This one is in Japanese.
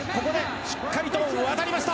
しっかり渡りました。